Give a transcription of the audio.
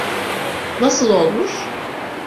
Nasıl olmuş?